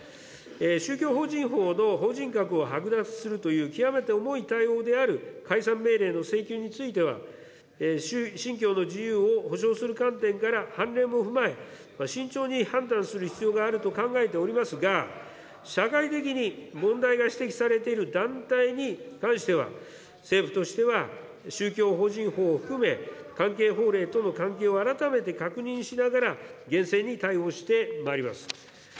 宗教法人法の法人格を剥奪するという極めて重い対応である解散命令の請求については、信教の自由を保障する観点から、判例も踏まえ、慎重に判断する必要があると考えておりますが、社会的に問題が指摘されている団体に対しては、政府としては宗教法人法を含め、関係法令との関係を改めて確認しながら、厳正に対応してまいります。